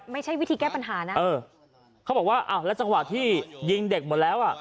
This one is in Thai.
ไม่ใช่วิธีแก้ปัญหานะเออเขาบอกว่าอ้าวแล้วจังหวะที่ยิงเด็กหมดแล้วอ่ะ